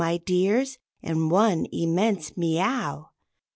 my dears," in one immense me ow.